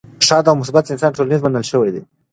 ښاد او مثبت انسان ټولنیز منل شوی دی.